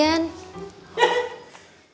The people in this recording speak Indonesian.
paling paling juga ke facebook